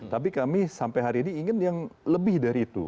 tapi kami sampai hari ini ingin yang lebih dari itu